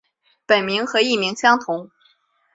本名和艺名相同。